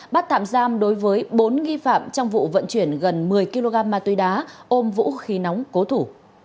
bắt tạm giam đối với bốn nghi phạm trong vụ vận chuyển gần một mươi kg ma túy đá ôm vũ khí nóng cố thủ